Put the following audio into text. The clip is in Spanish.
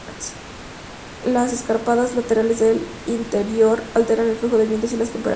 Las escarpadas laderas del interior alteran el flujo de vientos y las temperaturas.